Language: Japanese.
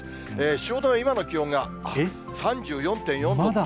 汐留、今の気温が３４．４度。